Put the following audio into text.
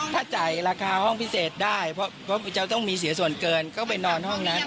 ถ้าจ่ายราคาห้องพิเศษได้เพราะจะต้องมีเสียส่วนเกินก็ไปนอนห้องนั้น